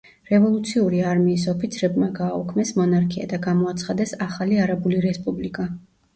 რევოლუციური არმიის ოფიცრებმა გააუქმეს მონარქია და გამოაცხადეს ახალი არაბული რესპუბლიკა.